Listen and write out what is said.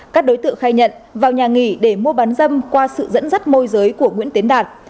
các đối tượng khai nhận vào nhà nghỉ để mua bán dâm qua sự dẫn dắt môi giới của nguyễn tiến đạt